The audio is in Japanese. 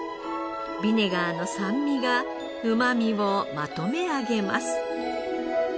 ビネガーの酸味がうまみをまとめ上げます。